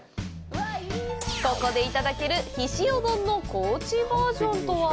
ここでいただけるひしお丼の高知バージョンとは？